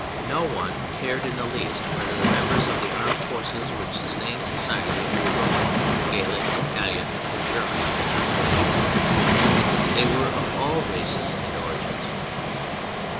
] no one cared in the least whether the members of the armed forces which sustained society were Roman, Gallic, Italian or German in racial origin. They were of all races and origins.